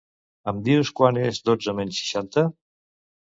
Em dius quant és dotze menys seixanta?